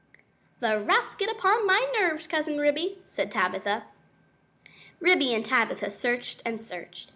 "The rats get upon my nerves, Cousin Ribby," said Tabitha. Ribby and Tabitha searched and searched.